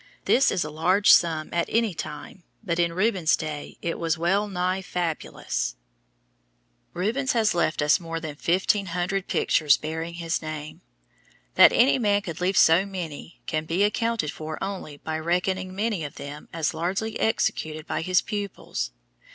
This is a large sum at any time but in Rubens' day it was well nigh fabulous. [Illustration: SATYRS Rubens] Rubens has left us more than fifteen hundred pictures bearing his name. That any man could leave so many can be accounted for only by reckoning many of them as largely executed by his pupils.